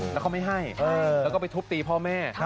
แล้วเขาไม่ให้แล้วก็ไปทุบตีพ่อแม่